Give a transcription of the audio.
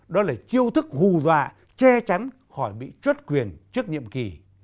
đó là chiêu thức hù dọa che chắn khỏi bị truất quyền trước nhiệm kỳ